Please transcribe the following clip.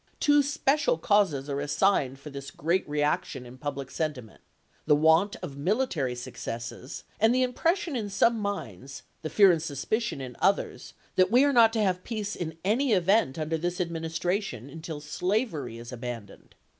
Two special causes are assigned for this great reaction in public sentiment, — the want of military successes, and the im pression in some minds, the fear and suspicion in others, that we are not to have peace in any event under this Administration until slavery is abandoned.